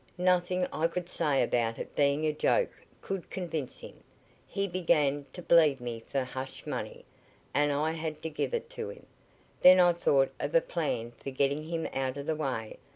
Nothing I could say about it being a joke could convince him. He began to bleed me for hush money, and I had to give it to him. Then I thought of a plan for getting him out of the way.